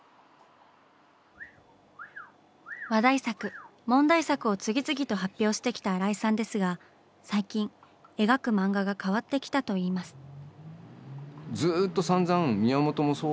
話題作問題作を次々と発表してきた新井さんですが最近描く漫画が変わってきたといいます。